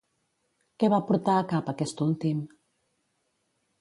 Què va portar a cap aquest últim?